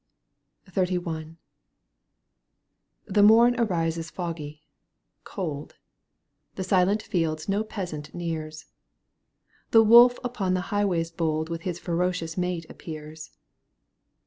XXXI. ^^' The mom arises foggy, cold. The silent fields no peasant nears,' The wolf upon the highways bold With his ferocious mate appears.